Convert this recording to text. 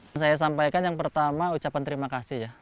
yang saya sampaikan yang pertama ucapan terima kasih ya